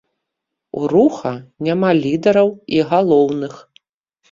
У руха няма лідараў і галоўных.